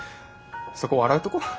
そこ笑うとこ？